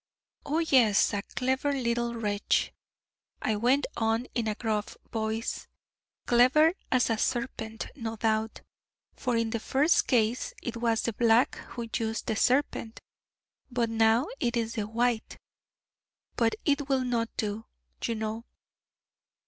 'Oh, yes, a clever little wretch,' I went on in a gruff voice, 'clever as a serpent, no doubt: for in the first case it was the Black who used the serpent, but now it is the White. But it will not do, you know.